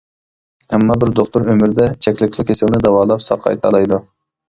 ئەمما بىر دوختۇر ئۆمرىدە چەكلىكلا كېسەلنى داۋالاپ ساقايتالايدۇ.